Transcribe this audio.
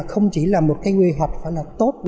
không chỉ là một cái quy hoạch phải là tốt